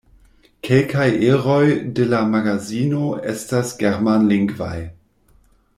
Kelkaj eroj de la magazino estas germanlingvaj.